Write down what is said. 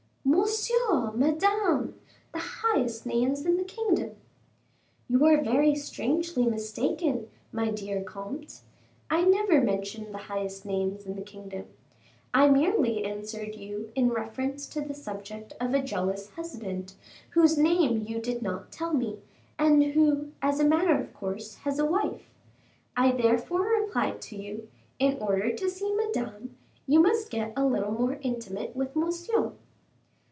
"Monsieur! Madame! the highest names in the kingdom." "You are very strangely mistaken, my dear comte. I never mentioned the highest names in the kingdom. I merely answered you in reference to the subject of a jealous husband, whose name you did not tell me, and who, as a matter of course, has a wife. I therefore replied to you, in order to see Madame, you must get a little more intimate with Monsieur."